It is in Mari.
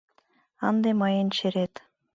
—— Ынде мыйын черет.